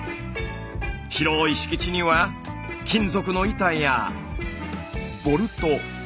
広い敷地には金属の板やボルト。